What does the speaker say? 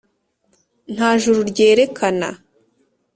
nta juru ryerekana